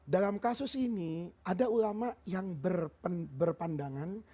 dalam kasus ini ada ulama yang berpandangan